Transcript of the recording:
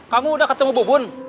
kamu udah ketemu bubun